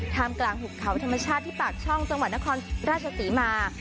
มกลางหุบเขาธรรมชาติที่ปากช่องจังหวัดนครราชศรีมา